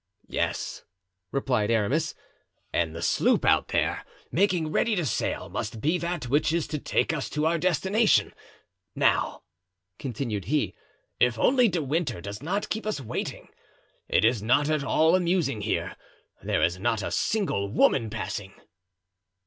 "Yes," replied Aramis, "and the sloop out there making ready to sail must be that which is to take us to our destination; now," continued he, "if only De Winter does not keep us waiting. It is not at all amusing here; there is not a single woman passing."